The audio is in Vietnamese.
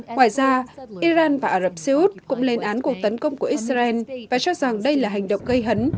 ngoài ra iran và ả rập xê út cũng lên án cuộc tấn công của israel và cho rằng đây là hành động gây hấn